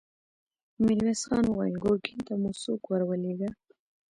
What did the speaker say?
ميرويس خان وويل: ګرګين ته مو څوک ور ولېږه؟